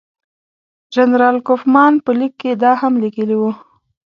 جنرال کوفمان په لیک کې دا هم لیکلي وو.